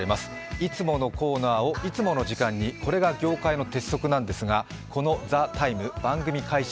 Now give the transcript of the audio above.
いつものコーナーをいつもの時間に、これが業界の鉄則なんですが、この「ＴＨＥＴＩＭＥ，」、番組開始